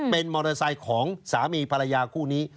เป็นมอเตอร์ไซค์ของสามีภรรยาคู่นี้